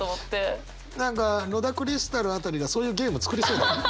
何か野田クリスタル辺りがそういうゲーム作りそうだね。